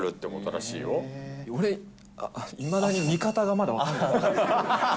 俺、いまだに見方が分かんな